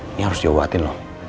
ini harus diobatin loh